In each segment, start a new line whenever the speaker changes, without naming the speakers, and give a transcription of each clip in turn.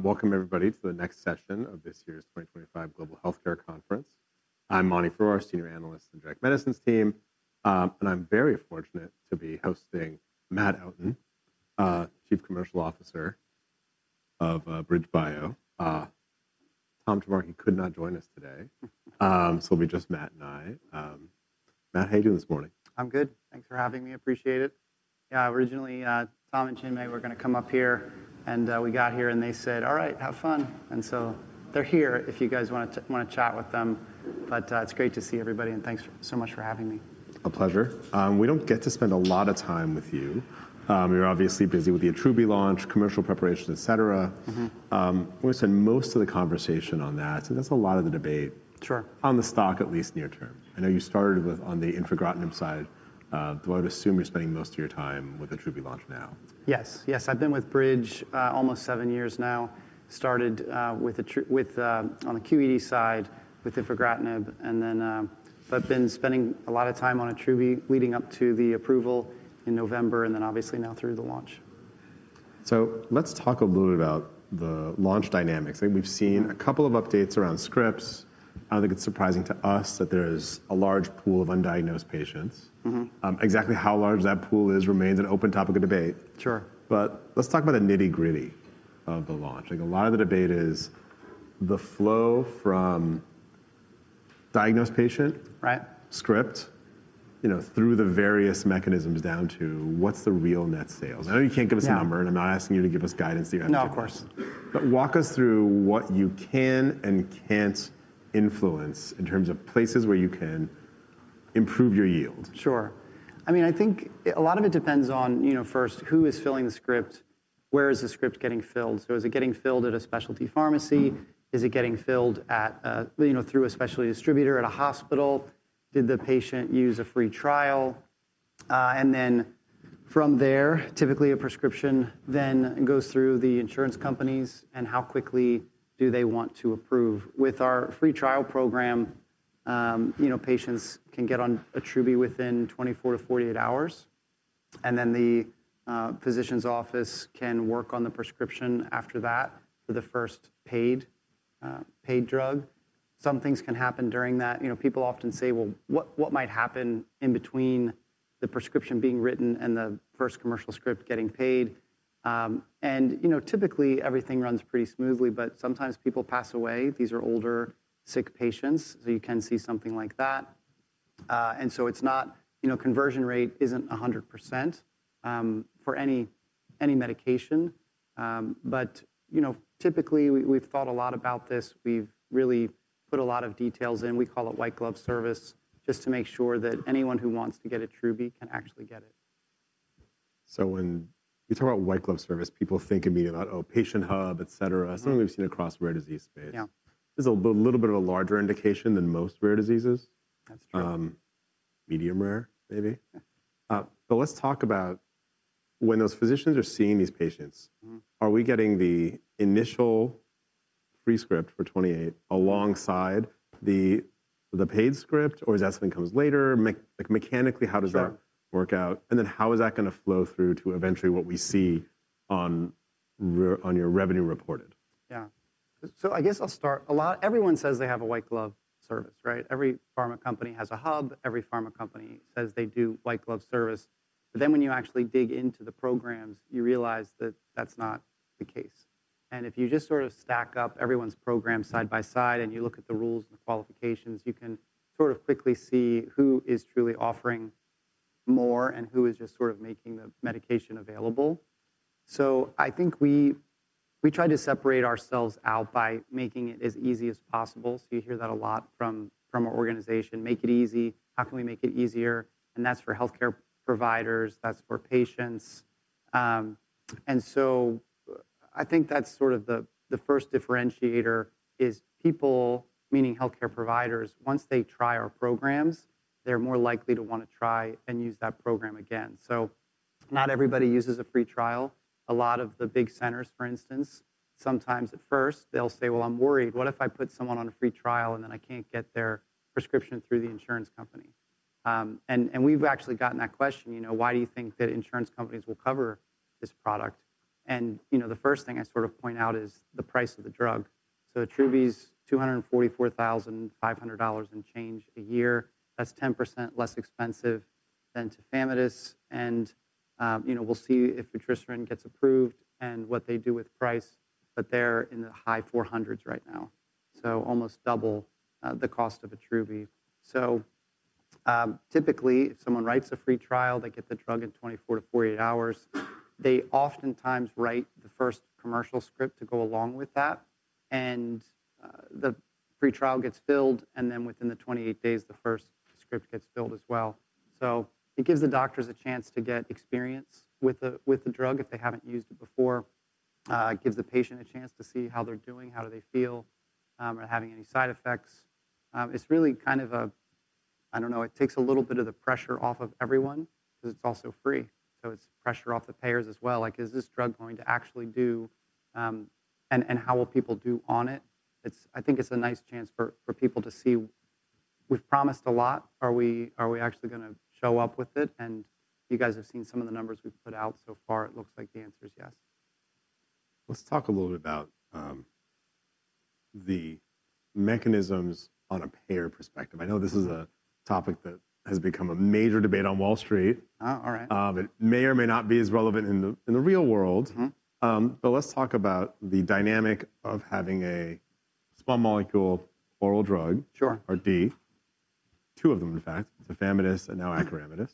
Welcome, everybody, to the next session of this year's 2025 Global Healthcare Conference. I'm Mani Foroohar, Senior Analyst in the Genetic Medicines team,
I'm good. Thanks for having me. Appreciate it. Yeah, originally, Tom and Chinmay were going to come up here, and we got here, and they said, "All right, have fun." They are here if you guys want to chat with them. It is great to see everybody, and thanks so much for having me.
A pleasure. We don't get to spend a lot of time with you. You're obviously busy with the Attruby launch, commercial preparation, et cetera. We're going to spend most of the conversation on that, and that's a lot of the debate.
Sure.
On the stock, at least near term. I know you started with on the Infigratinib side, though I would assume you're spending most of your time with Attruby launch now.
Yes, yes. I've been with BridgeBio almost seven years now, started on the QED side with Infigratinib, but I've been spending a lot of time on Attruby leading up to the approval in November, and then obviously now through the launch.
Let's talk a little bit about the launch dynamics. I think we've seen a couple of updates around scripts. I don't think it's surprising to us that there is a large pool of undiagnosed patients. Exactly how large that pool is remains an open topic of debate.
Sure.
Let's talk about the nitty-gritty of the launch. A lot of the debate is the flow from diagnosed patient, script, through the various mechanisms down to what's the real net sales. I know you can't give us a number, and I'm not asking you to give us guidance.
No, of course.
Walk us through what you can and can't influence in terms of places where you can improve your yield.
Sure. I mean, I think a lot of it depends on, first, who is filling the script, where is the script getting filled. Is it getting filled at a specialty pharmacy? Is it getting filled through a specialty distributor at a hospital? Did the patient use a free trial? From there, typically a prescription then goes through the insurance companies, and how quickly do they want to approve? With our free trial program, patients can get on Attruby within 24-48 hours, and the physician's office can work on the prescription after that for the first paid drug. Some things can happen during that. People often say, "Well, what might happen in between the prescription being written and the first commercial script getting paid?" Typically, everything runs pretty smoothly, but sometimes people pass away. These are older, sick patients, so you can see something like that. It is not conversion rate isn't 100% for any medication. Typically, we've thought a lot about this. We've really put a lot of details in. We call it white glove service just to make sure that anyone who wants to get Attruby can actually get it.
When we talk about white glove service, people think immediately about, "Oh, Patient Hub, et cetera." Something we've seen across the rare disease space.
Yeah.
This is a little bit of a larger indication than most rare diseases.
That's true.
Medium rare, maybe. Let's talk about when those physicians are seeing these patients. Are we getting the initial free script for 28 alongside the paid script, or is that something that comes later? Mechanically, how does that work out? How is that going to flow through to eventually what we see on your revenue reported?
Yeah. I guess I'll start. Everyone says they have a white glove service, right? Every pharma company has a hub. Every pharma company says they do white glove service. When you actually dig into the programs, you realize that that's not the case. If you just sort of stack up everyone's programs side by side and you look at the rules and the qualifications, you can sort of quickly see who is truly offering more and who is just sort of making the medication available. I think we try to separate ourselves out by making it as easy as possible. You hear that a lot from our organization. Make it easy. How can we make it easier? That's for healthcare providers. That's for patients. I think that's sort of the first differentiator is people, meaning healthcare providers, once they try our programs, they're more likely to want to try and use that program again. Not everybody uses a free trial. A lot of the big centers, for instance, sometimes at first, they'll say, "I'm worried. What if I put someone on a free trial and then I can't get their prescription through the insurance company?" We've actually gotten that question. Why do you think that insurance companies will cover this product? The first thing I sort of point out is the price of the drug. Attruby's $244,500 and change a year. That's 10% less expensive than tafamidis. We'll see if patisiran gets approved and what they do with price, but they're in the high $400,000s right now, so almost double the cost of Attruby. Typically, if someone writes a free trial, they get the drug in 24 to 48 hours. They oftentimes write the first commercial script to go along with that, and the free trial gets filled, and then within the 28 days, the first script gets filled as well. It gives the doctors a chance to get experience with the drug if they haven't used it before. It gives the patient a chance to see how they're doing, how do they feel, are they having any side effects? It's really kind of a, I don't know, it takes a little bit of the pressure off of everyone because it's also free. It's pressure off the payers as well. Like, is this drug going to actually do, and how will people do on it? I think it's a nice chance for people to see we've promised a lot. Are we actually going to show up with it? You guys have seen some of the numbers we've put out so far. It looks like the answer is yes.
Let's talk a little bit about the mechanisms on a payer perspective. I know this is a topic that has become a major debate on Wall Street.
All right.
It may or may not be as relevant in the real world, but let's talk about the dynamic of having a small molecule oral drug.
Sure.
Or D. Two of them, in fact, tafamidis and now acoramidis.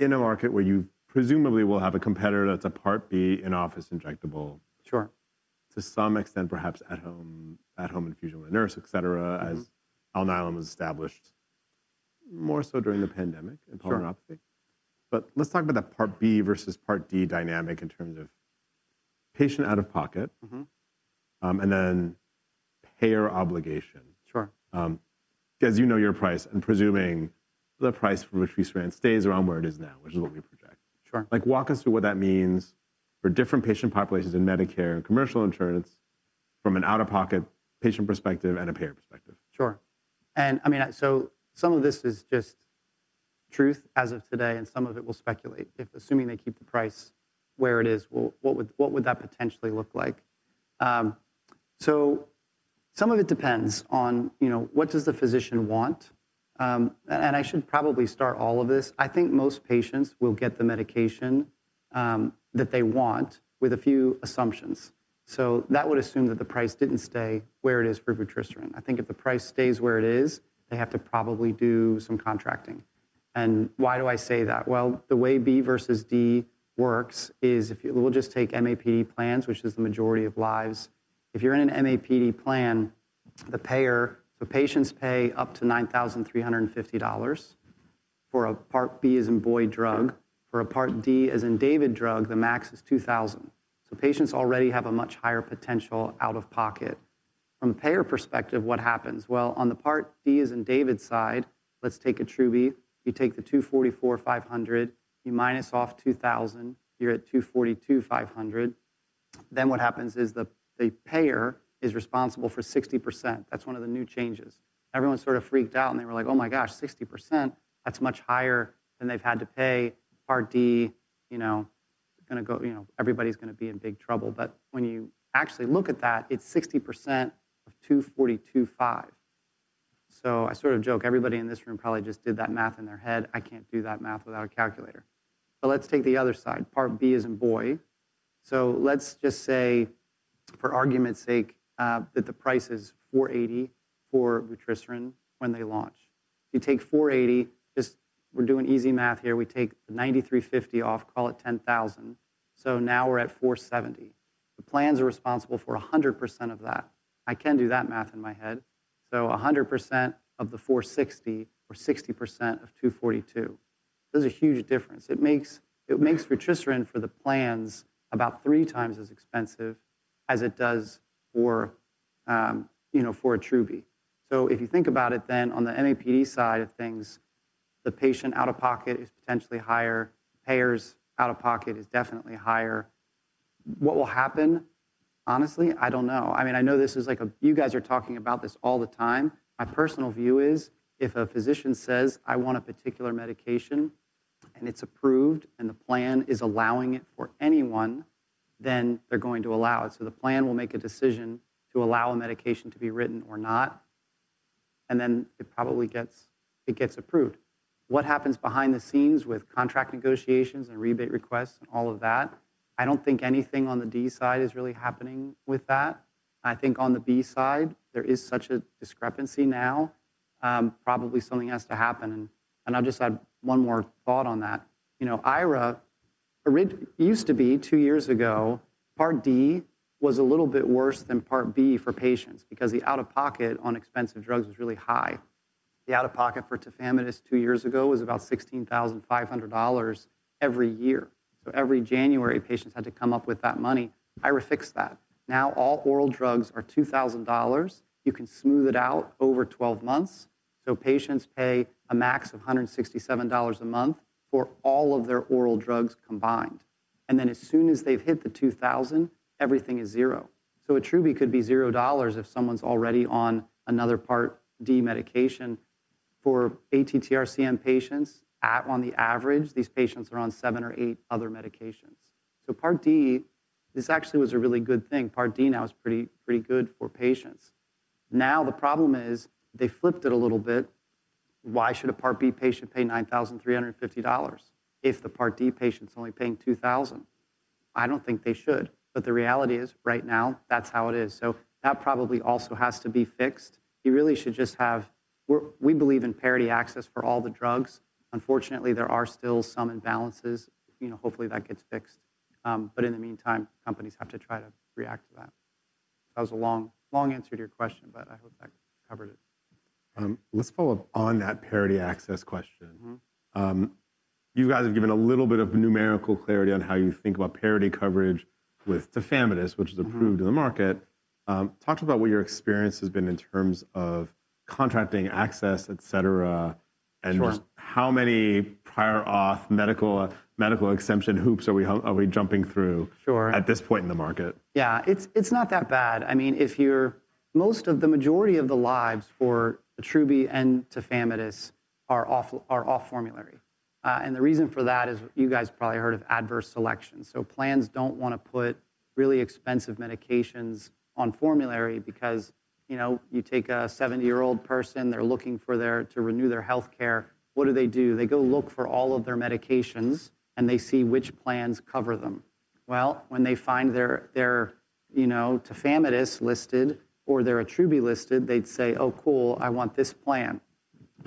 In a market where you presumably will have a competitor that's a Part B in-office injectable.
Sure.
To some extent, perhaps at-home infusion with a nurse, et cetera, as Alnylam was established more so during the pandemic and polyneuropathy.
Sure.
Let's talk about that Part B versus Part D dynamic in terms of patient out of pocket and then payer obligation.
Sure.
As you know your price, I'm presuming the price for which we spend stays around where it is now, which is what we project.
Sure.
Walk us through what that means for different patient populations in Medicare and commercial insurance from an out-of-pocket patient perspective and a payer perspective.
Sure. I mean, some of this is just truth as of today, and some of it we'll speculate. If assuming they keep the price where it is, what would that potentially look like? Some of it depends on what does the physician want? I should probably start all of this. I think most patients will get the medication that they want with a few assumptions. That would assume that the price didn't stay where it is for patisiran. I think if the price stays where it is, they have to probably do some contracting. Why do I say that? The way B versus D works is we'll just take MAPD plans, which is the majority of lives. If you're in an MAPD plan, the payer, so patients pay up to $9,350 for a Part B as in boy drug. For a Part D as in David drug, the max is $2,000. Patients already have a much higher potential out of pocket. From a payer perspective, what happens? On the Part D as in David side, let's take Attruby. You take the $244,500, you minus off $2,000, you're at $242,500. What happens is the payer is responsible for 60%. That's one of the new changes. Everyone's sort of freaked out, and they were like, "Oh my gosh, 60%? That's much higher than they've had to pay Part D." Everybody's going to be in big trouble. When you actually look at that, it's 60% of $242,500. I sort of joke. Everybody in this room probably just did that math in their head. I can't do that math without a calculator. Let's take the other side. Part B as in boy. Let's just say, for argument's sake, that the price is $480 for Patisiran when they launch. You take $480, just we're doing easy math here. We take the $9,350 off, call it $10,000. Now we're at $470. The plans are responsible for 100% of that. I can do that math in my head. So 100% of the $460 or 60% of $242,000. There's a huge difference. It makes Patisiran for the plans about three times as expensive as it does for Attruby. If you think about it, then on the MAPD side of things, the patient out of pocket is potentially higher. Payers out of pocket is definitely higher. What will happen? Honestly, I don't know. I mean, I know this is like a you guys are talking about this all the time. My personal view is if a physician says, "I want a particular medication," and it's approved and the plan is allowing it for anyone, then they're going to allow it. So the plan will make a decision to allow a medication to be written or not, and then it probably gets approved. What happens behind the scenes with contract negotiations and rebate requests and all of that? I don't think anything on the D side is really happening with that. I think on the B side, there is such a discrepancy now. Probably something has to happen. I'll just add one more thought on that. IRA used to be two years ago, Part D was a little bit worse than Part B for patients because the out-of-pocket on expensive drugs was really high. The out-of-pocket for Tafamidis two years ago was about $16,500 every year. Every January, patients had to come up with that money. IRA fixed that. Now all oral drugs are $2,000. You can smooth it out over 12 months. Patients pay a max of $167 a month for all of their oral drugs combined. As soon as they have hit the $2,000, everything is zero. Attruby could be $0 if someone is already on another Part D medication. For ATTR-CM patients, on average, these patients are on seven or eight other medications. Part D, this actually was a really good thing. Part D now is pretty good for patients. The problem is they flipped it a little bit. Why should a Part B patient pay $9,350 if the Part D patient is only paying $2,000? I do not think they should. The reality is right now, that is how it is. That probably also has to be fixed. You really should just have we believe in parity access for all the drugs. Unfortunately, there are still some imbalances. Hopefully, that gets fixed. In the meantime, companies have to try to react to that. That was a long answer to your question, but I hope that covered it.
Let's follow up on that parity access question. You guys have given a little bit of numerical clarity on how you think about parity coverage with Tafamidis, which is approved in the market. Talk to me about what your experience has been in terms of contracting access, et cetera, and how many prior auth medical exemption hoops are we jumping through at this point in the market?
Sure. Yeah, it's not that bad. I mean, most of the majority of the lives for Attruby and Tafamidis are off formulary. The reason for that is you guys probably heard of adverse selection. Plans don't want to put really expensive medications on formulary because you take a 70-year-old person, they're looking to renew their healthcare. What do they do? They go look for all of their medications and they see which plans cover them. When they find their Tafamidis listed or their Attruby listed, they'd say, "Oh, cool. I want this plan."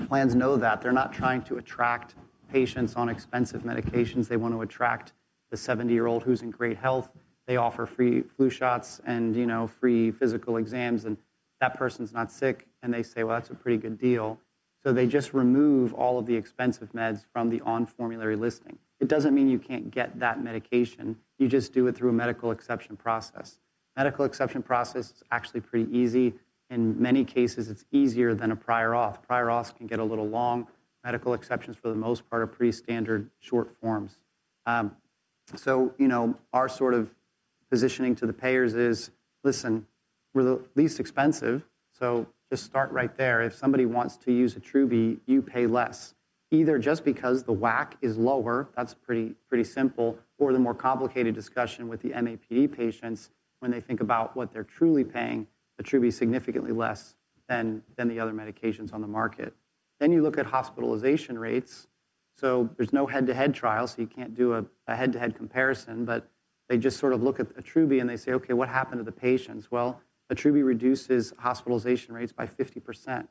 Plans know that. They're not trying to attract patients on expensive medications. They want to attract the 70-year-old who's in great health. They offer free flu shots and free physical exams, and that person's not sick, and they say, "Well, that's a pretty good deal." They just remove all of the expensive meds from the on-formulary listing. It doesn't mean you can't get that medication. You just do it through a medical exception process. Medical exception process is actually pretty easy. In many cases, it's easier than a prior auth. Prior auths can get a little long. Medical exceptions, for the most part, are pretty standard short forms. Our sort of positioning to the payers is, "Listen, we're the least expensive, so just start right there. If somebody wants to use Attruby, you pay less, either just because the WAC is lower." That's pretty simple. The more complicated discussion with the MAPD patients, when they think about what they're truly paying, Attruby is significantly less than the other medications on the market. You look at hospitalization rates. There is no head-to-head trial, so you can't do a head-to-head comparison, but they just sort of look at Attruby and they say, "Okay, what happened to the patients?" Attruby reduces hospitalization rates by 50%.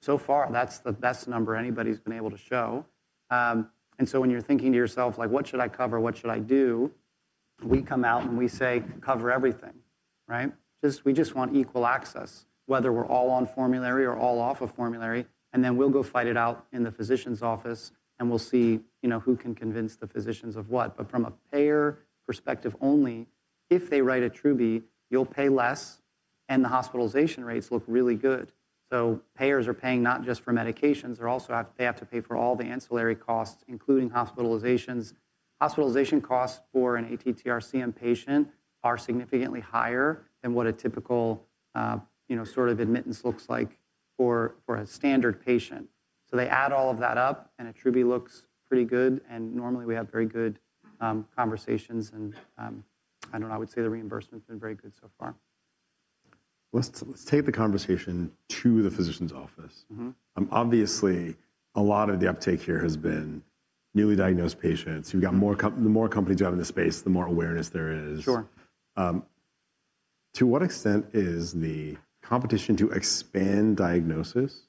So far, that's the best number anybody's been able to show. When you're thinking to yourself, "What should I cover? What should I do?" we come out and we say, "Cover everything." We just want equal access, whether we're all on formulary or all off of formulary, and then we'll go fight it out in the physician's office and we'll see who can convince the physicians of what. From a payer perspective only, if they write Attruby, you'll pay less, and the hospitalization rates look really good. Payers are paying not just for medications. They have to pay for all the ancillary costs, including hospitalizations. Hospitalization costs for an ATTR-CM patient are significantly higher than what a typical sort of admittance looks like for a standard patient. They add all of that up, and Attruby looks pretty good, and normally we have very good conversations. I don't know, I would say the reimbursement's been very good so far.
Let's take the conversation to the physician's office. Obviously, a lot of the uptake here has been newly diagnosed patients. The more companies you have in the space, the more awareness there is.
Sure.
To what extent is the competition to expand diagnosis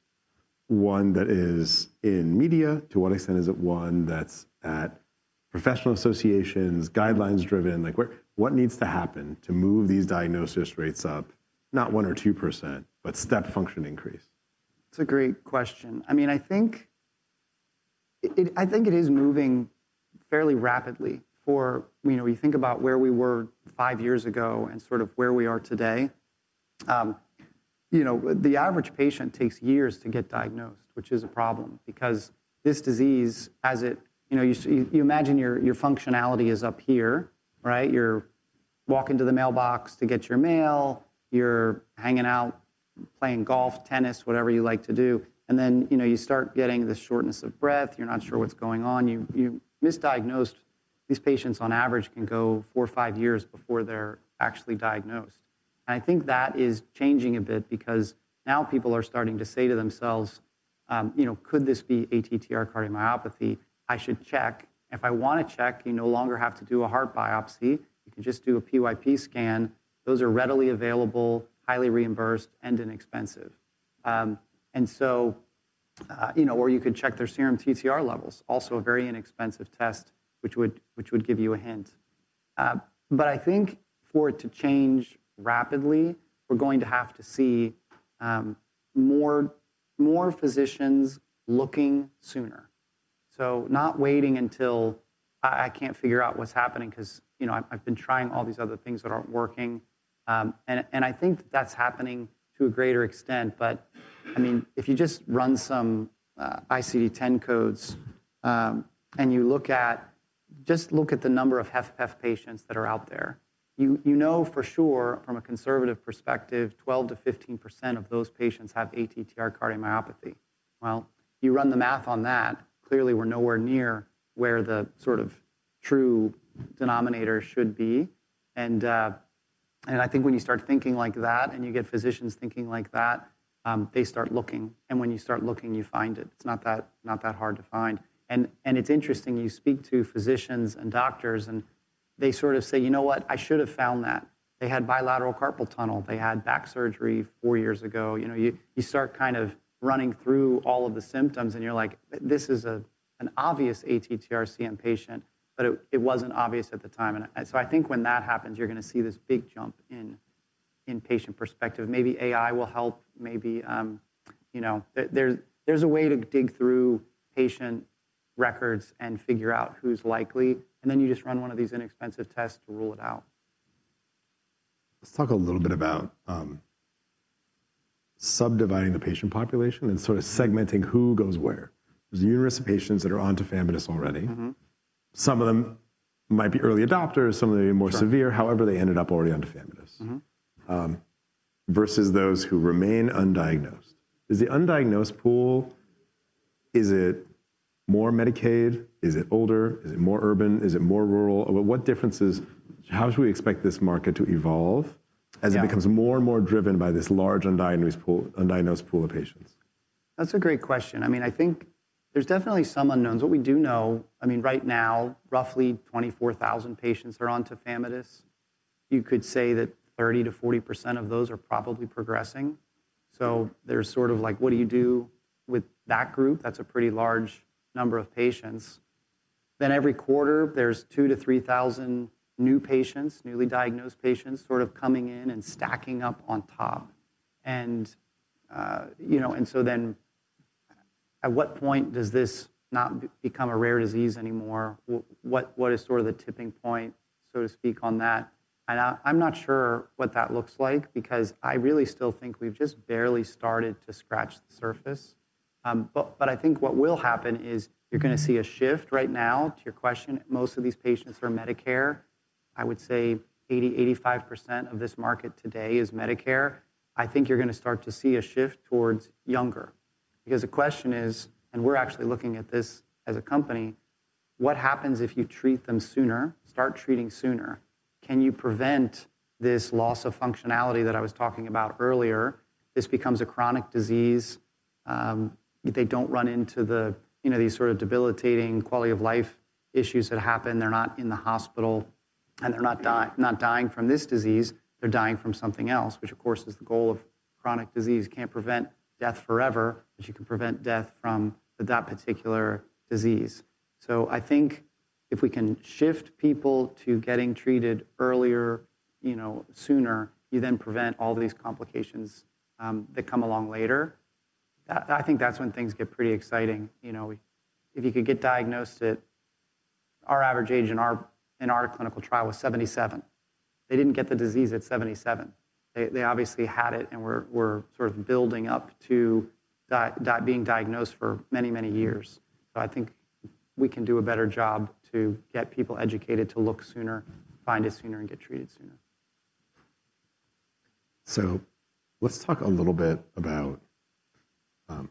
one that is in media? To what extent is it one that's at professional associations, guidelines-driven? What needs to happen to move these diagnosis rates up, not 1 or 2%, but step function increase?
That's a great question. I mean, I think it is moving fairly rapidly. You think about where we were five years ago and sort of where we are today. The average patient takes years to get diagnosed, which is a problem because this disease, as it you imagine your functionality is up here, right? You're walking to the mailbox to get your mail. You're hanging out, playing golf, tennis, whatever you like to do. You start getting the shortness of breath. You're not sure what's going on. You misdiagnosed. These patients, on average, can go four or five years before they're actually diagnosed. I think that is changing a bit because now people are starting to say to themselves, "Could this be ATTR cardiomyopathy? I should check." If I want to check, you no longer have to do a heart biopsy. You can just do a PYP scan. Those are readily available, highly reimbursed, and inexpensive. You could check their serum TTR levels, also a very inexpensive test, which would give you a hint. I think for it to change rapidly, we're going to have to see more physicians looking sooner. Not waiting until, "I can't figure out what's happening because I've been trying all these other things that aren't working." I think that's happening to a greater extent. I mean, if you just run some ICD-10 codes and you look at just look at the number of HFpEF patients that are out there. You know for sure from a conservative perspective, 12-15% of those patients have ATTR cardiomyopathy. You run the math on that. Clearly, we're nowhere near where the sort of true denominator should be. I think when you start thinking like that and you get physicians thinking like that, they start looking. When you start looking, you find it. It's not that hard to find. It's interesting. You speak to physicians and doctors, and they sort of say, "You know what? I should have found that." They had bilateral carpal tunnel. They had back surgery four years ago. You start kind of running through all of the symptoms, and you're like, "This is an obvious ATTR-CM patient, but it wasn't obvious at the time." I think when that happens, you're going to see this big jump in patient perspective. Maybe AI will help. Maybe there's a way to dig through patient records and figure out who's likely. You just run one of these inexpensive tests to rule it out.
Let's talk a little bit about subdividing the patient population and sort of segmenting who goes where. There's a universe of patients that are on Tafamidis already. Some of them might be early adopters. Some of them may be more severe. However, they ended up already on Tafamidis versus those who remain undiagnosed. Is the undiagnosed pool, is it more Medicaid? Is it older? Is it more urban? Is it more rural? What differences? How should we expect this market to evolve as it becomes more and more driven by this large undiagnosed pool of patients?
That's a great question. I mean, I think there's definitely some unknowns. What we do know, I mean, right now, roughly 24,000 patients are on Tafamidis. You could say that 30-40% of those are probably progressing. So there's sort of like, what do you do with that group? That's a pretty large number of patients. Then every quarter, there's 2,000-3,000 new patients, newly diagnosed patients sort of coming in and stacking up on top. At what point does this not become a rare disease anymore? What is sort of the tipping point, so to speak, on that? I'm not sure what that looks like because I really still think we've just barely started to scratch the surface. I think what will happen is you're going to see a shift. Right now, to your question, most of these patients are Medicare. I would say 80-85% of this market today is Medicare. I think you're going to start to see a shift towards younger because the question is, and we're actually looking at this as a company, what happens if you treat them sooner, start treating sooner? Can you prevent this loss of functionality that I was talking about earlier? This becomes a chronic disease. They don't run into these sort of debilitating quality of life issues that happen. They're not in the hospital, and they're not dying from this disease. They're dying from something else, which, of course, is the goal of chronic disease. You can't prevent death forever, but you can prevent death from that particular disease. I think if we can shift people to getting treated earlier, sooner, you then prevent all these complications that come along later. I think that's when things get pretty exciting. If you could get diagnosed at our average age in our clinical trial was 77. They did not get the disease at 77. They obviously had it, and we are sort of building up to being diagnosed for many, many years. I think we can do a better job to get people educated to look sooner, find it sooner, and get treated sooner.
Let's talk a little bit about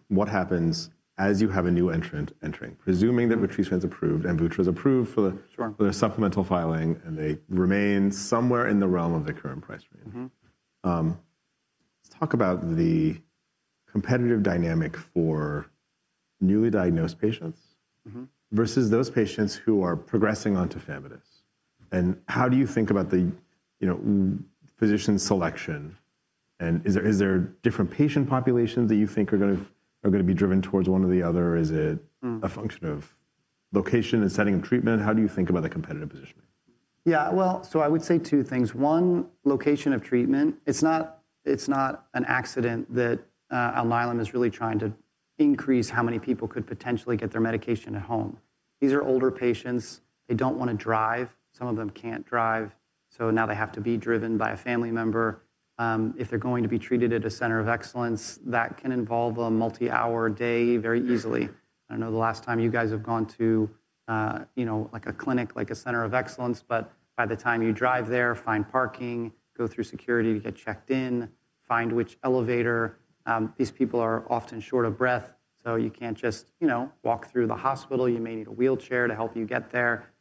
what happens as you have a new entrant entering, presuming that Vutrisiran's is approved and Amvuttra's approved for their supplemental filing, and they remain somewhere in the realm of the current price range. Let's talk about the competitive dynamic for newly diagnosed patients versus those patients who are progressing on Tafamidis. How do you think about the physician selection? Is there different patient populations that you think are going to be driven towards one or the other? Is it a function of location and setting of treatment? How do you think about the competitive positioning?
Yeah, I would say two things. One, location of treatment. It's not an accident that Alnylam is really trying to increase how many people could potentially get their medication at home. These are older patients. They don't want to drive. Some of them can't drive. Now they have to be driven by a family member. If they're going to be treated at a center of excellence, that can involve a multi-hour day very easily. I don't know the last time you guys have gone to a clinic like a center of excellence, but by the time you drive there, find parking, go through security to get checked in, find which elevator. These people are often short of breath, so you can't just walk through the hospital. You may need a wheelchair to help you get there.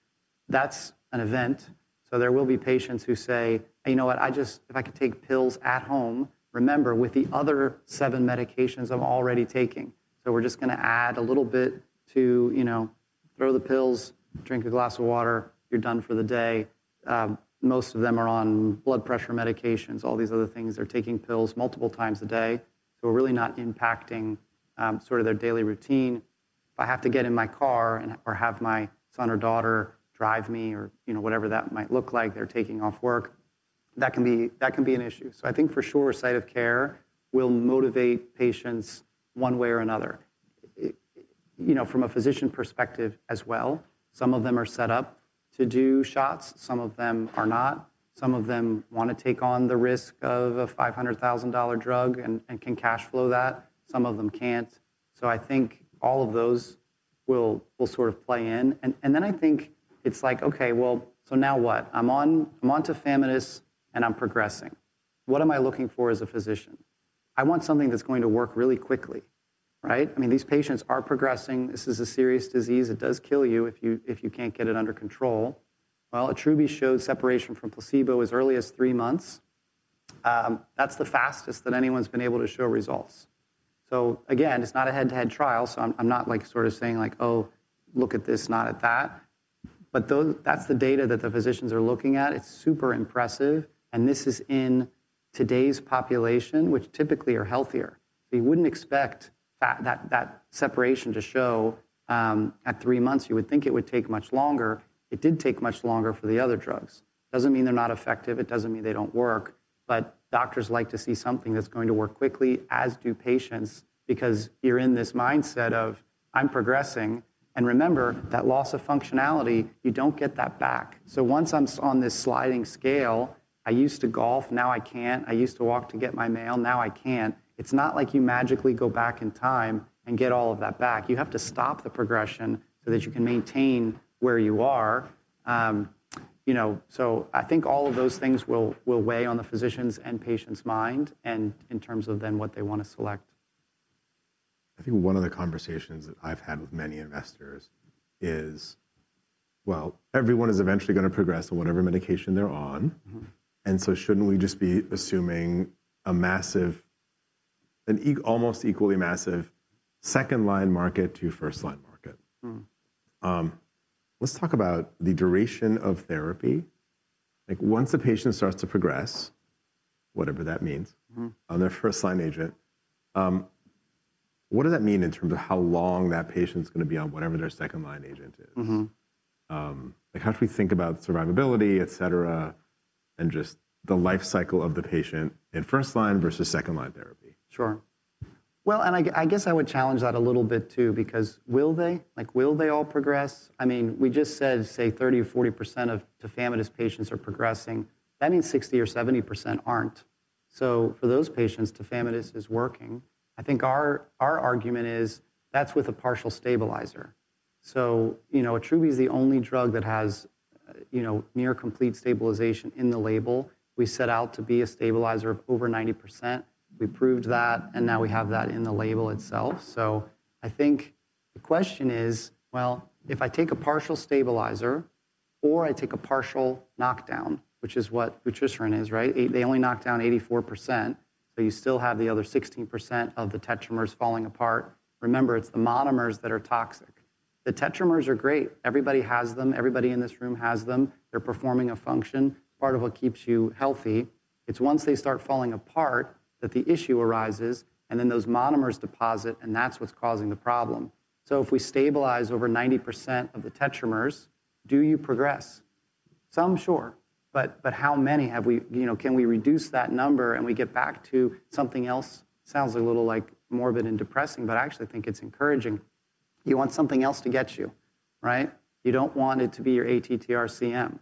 That's an event. There will be patients who say, "You know what? If I could take pills at home, remember with the other seven medications I'm already taking. So we're just going to add a little bit to throw the pills, drink a glass of water. You're done for the day." Most of them are on blood pressure medications, all these other things. They're taking pills multiple times a day. So we're really not impacting sort of their daily routine. If I have to get in my car or have my son or daughter drive me or whatever that might look like, they're taking off work, that can be an issue. I think for sure site of care will motivate patients one way or another. From a physician perspective as well, some of them are set up to do shots. Some of them are not. Some of them want to take on the risk of a $500,000 drug and can cash flow that. Some of them can't. I think all of those will sort of play in. I think it's like, "Okay, well, so now what? I'm on Tafamidis, and I'm progressing. What am I looking for as a physician? I want something that's going to work really quickly." I mean, these patients are progressing. This is a serious disease. It does kill you if you can't get it under control. Attruby showed separation from placebo as early as three months. That's the fastest that anyone's been able to show results. Again, it's not a head-to-head trial, so I'm not sort of saying like, "Oh, look at this, not at that." That's the data that the physicians are looking at. It's super impressive. This is in today's population, which typically are healthier. You would not expect that separation to show at three months. You would think it would take much longer. It did take much longer for the other drugs. It does not mean they are not effective. It does not mean they do not work. Doctors like to see something that is going to work quickly, as do patients, because you are in this mindset of, "I am progressing." Remember, that loss of functionality, you do not get that back. Once I am on this sliding scale, I used to golf. Now I cannot. I used to walk to get my mail. Now I cannot. It is not like you magically go back in time and get all of that back. You have to stop the progression so that you can maintain where you are. I think all of those things will weigh on the physicians' and patients' minds and in terms of then what they want to select.
I think one of the conversations that I've had with many investors is, well, everyone is eventually going to progress on whatever medication they're on. And so shouldn't we just be assuming an almost equally massive second-line market to first-line market? Let's talk about the duration of therapy. Once a patient starts to progress, whatever that means, on their first-line agent, what does that mean in terms of how long that patient's going to be on whatever their second-line agent is? How should we think about survivability, etc., and just the life cycle of the patient in first-line versus second-line therapy? Sure. I guess I would challenge that a little bit too because will they all progress? I mean, we just said, say, 30% or 40% of Tafamidis patients are progressing. That means 60% or 70% aren't. For those patients, Tafamidis is working. I think our argument is that's with a partial stabilizer. Attruby is the only drug that has near complete stabilization in the label. We set out to be a stabilizer of over 90%. We proved that, and now we have that in the label itself. I think the question is, if I take a partial stabilizer or I take a partial knockdown, which is what Patisiran is, right? They only knock down 84%. You still have the other 16% of the tetramers falling apart. Remember, it's the monomers that are toxic. The tetramers are great. Everybody has them. Everybody in this room has them. They're performing a function. Part of what keeps you healthy is once they start falling apart that the issue arises, and then those monomers deposit, and that's what's causing the problem. If we stabilize over 90% of the tetramers, do you progress? Some, sure. But how many can we reduce that number and we get back to something else? Sounds a little like morbid and depressing, but I actually think it's encouraging. You want something else to get you, right? You don't want it to be your ATTR-CM.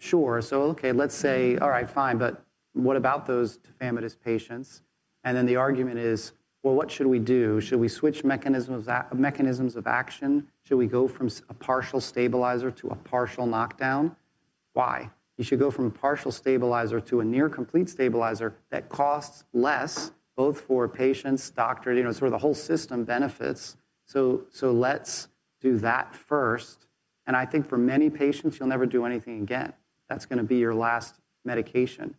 Sure. Okay, let's say, all right, fine, but what about those Tafamidis patients? The argument is, what should we do? Should we switch mechanisms of action? Should we go from a partial stabilizer to a partial knockdown? Why? You should go from a partial stabilizer to a near complete stabilizer that costs less both for patients, doctors, sort of the whole system benefits. Let's do that first. I think for many patients, you'll never do anything again. That's going to be your last medication.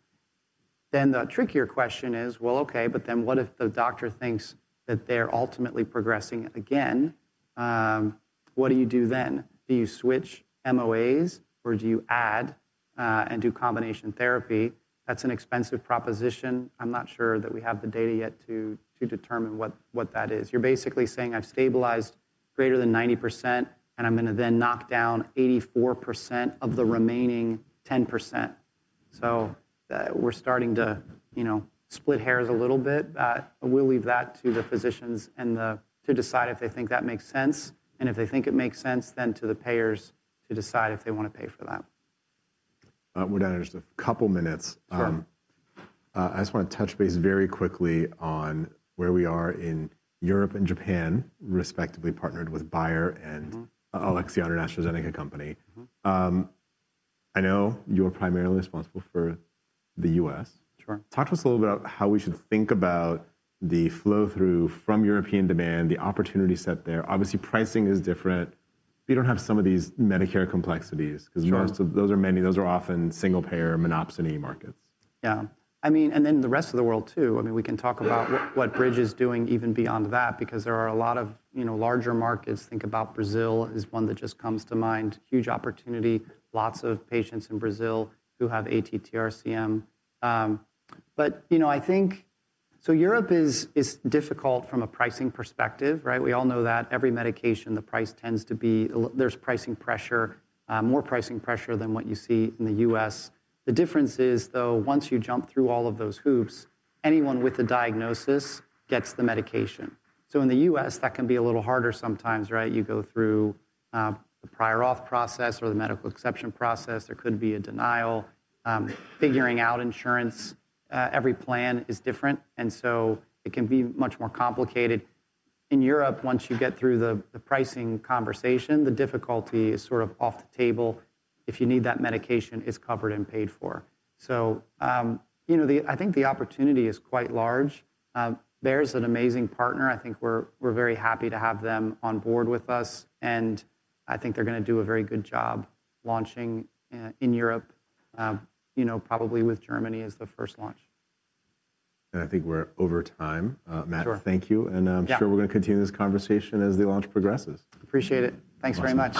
The trickier question is, okay, but then what if the doctor thinks that they're ultimately progressing again? What do you do then? Do you switch MOAs, or do you add and do combination therapy? That's an expensive proposition. I'm not sure that we have the data yet to determine what that is. You're basically saying I've stabilized greater than 90%, and I'm going to then knock down 84% of the remaining 10%. We're starting to split hairs a little bit, but we'll leave that to the physicians to decide if they think that makes sense. If they think it makes sense, then to the payers to decide if they want to pay for that. We're down just a couple of minutes. I just want to touch base very quickly on where we are in Europe and Japan, respectively partnered with Bayer and Alexion International Genetic Company. I know you are primarily responsible for the US. Talk to us a little bit about how we should think about the flow-through from European demand, the opportunity set there. Obviously, pricing is different. We don't have some of these Medicare complexities because those are often single-payer monopsony markets.
Yeah. I mean, and then the rest of the world too. I mean, we can talk about what BridgeBio is doing even beyond that because there are a lot of larger markets. Think about Brazil is one that just comes to mind. Huge opportunity, lots of patients in Brazil who have ATTR-CM. I think Europe is difficult from a pricing perspective, right? We all know that every medication, the price tends to be, there is pricing pressure, more pricing pressure than what you see in the US. The difference is, though, once you jump through all of those hoops, anyone with a diagnosis gets the medication. In the US, that can be a little harder sometimes, right? You go through the prior auth process or the medical exception process. There could be a denial. Figuring out insurance, every plan is different, and so it can be much more complicated. In Europe, once you get through the pricing conversation, the difficulty is sort of off the table. If you need that medication, it's covered and paid for. I think the opportunity is quite large. Bayer is an amazing partner. I think we're very happy to have them on board with us, and I think they're going to do a very good job launching in Europe, probably with Germany as the first launch.
I think we're over time. Matt, thank you. I'm sure we're going to continue this conversation as the launch progresses.
Appreciate it. Thanks very much.